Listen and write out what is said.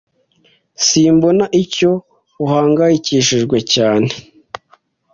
Simbona icyo uhangayikishijwe cyane.